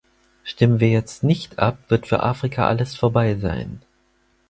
Stimmen wir jetzt nicht ab, wird für Afrika alles vorbei sein.